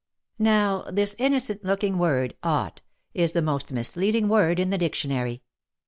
" Now, this innocent looking word *' ought" is the most misleading word in the dictionary.